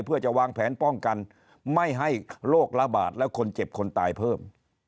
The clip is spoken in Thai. เพื่อจะวางแผนป้องกันไม่ให้โรคระบาดและคนเจ็บคนตายเพิ่ม